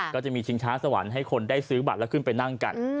ก็จะมีชิงช้าสวรรค์ให้คนได้ซื้อบัตรแล้วขึ้นไปนั่งกัน